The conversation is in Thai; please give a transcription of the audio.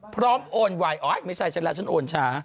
พร้อมโอนไหวอ๋อไม่ใช่ฉันแล้วฉันโอนช้า